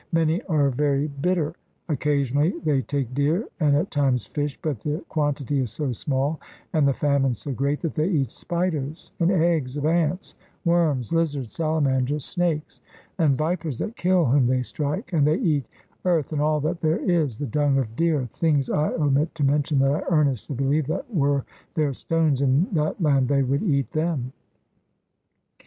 Many are very bitter. Occasionally they take deer and at times fish, but the quantity is so small and the famine so great that they eat spiders and eggs of ants, worms, lizards, salamanders, snakes, and 158 THE RED MAN'S CONTINENT vipers that kill whom they strike, and they eat earth and all that there is, the dung of deer, things 1 omit to mention and I earnestly believe that were there stones in that land they would eat them.